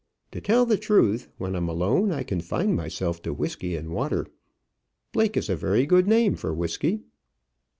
To tell the truth, when I'm alone I confine myself to whisky and water. Blake is a very good name for whisky."